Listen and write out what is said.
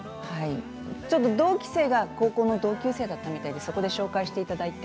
同期生が高校の同級生だったみたいで、そこで紹介していただいて。